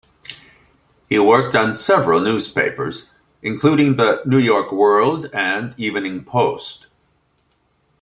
He worked on several newspapers, including the "New York World" and "Evening Post".